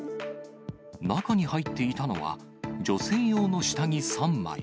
中に入っていたのは、女性用の下着３枚。